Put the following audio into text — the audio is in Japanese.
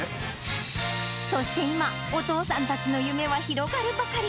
そして今、お父さんたちの夢は広がるばかり。